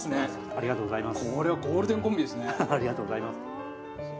ありがとうございます。